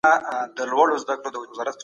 د ښځي په سر باندي یو شین ټیکری و.